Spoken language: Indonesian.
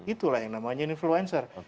itulah yang namanya influencer